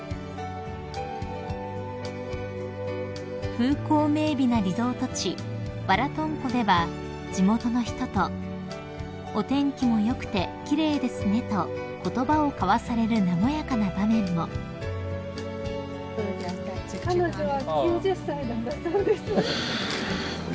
［風光明媚なリゾート地バラトン湖では地元の人と「お天気も良くて奇麗ですね」と言葉を交わされる和やかな場面も］は。